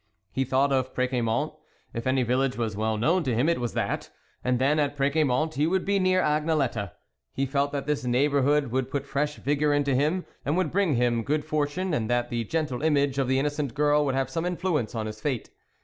He thought of Precia mont ; if any village was well known to him, it was that ; and then, at PrSciamont, he would be near Agnelette. He felt that this neighbourhood would put fresh vigour into him, and would bring him good fortune, and that the gentle image of the innocent girl would have some influence on his fate.